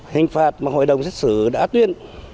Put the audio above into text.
hình phạt mà hội đồng xét xử đã tuyên